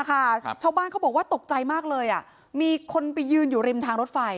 ชาวบ้านเขาบอกว่าตกใจมากเลยอ่ะมีคนไปยืนอยู่ริมทางรถไฟ